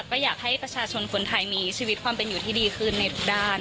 ก็อยากให้ประชาชนคนไทยมีชีวิตความเป็นอยู่ที่ดีขึ้นในทุกด้าน